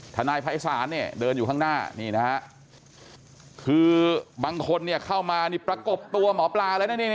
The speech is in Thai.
ทนายภัยศาลเดินอยู่ข้างหน้าบางคนเข้ามาประกบตัวหมอปลาแล้ว